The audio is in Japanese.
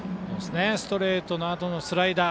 ストレートのあとのスライダー。